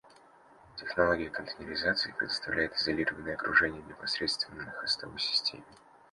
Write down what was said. Технология контейнеризации предоставляет изолированное окружение непосредственно на хостовой системе